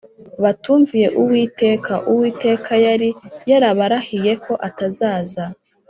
batumviye Uwiteka Uwiteka yari yarabarahiye ko atazaza